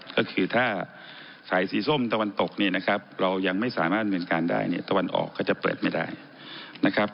ก็คือถ้าสายสีส้มตะวันตกเนี่ยนะครับเรายังไม่สามารถดำเนินการได้เนี่ยตะวันออกก็จะเปิดไม่ได้นะครับ